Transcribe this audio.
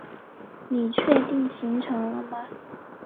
你确定行程了吗？